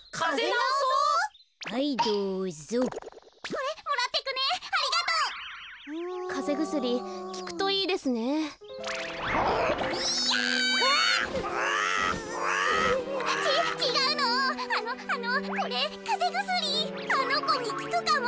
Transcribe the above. あのこにきくかも。